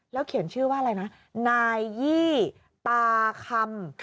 เขียนชื่อว่าอะไรนะนายยี่ตาคำ